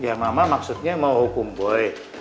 ya mama maksudnya mau hukum boy